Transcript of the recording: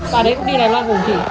bà đấy cũng đi đài loan gồm chị